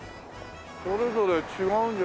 それぞれ違うんだ。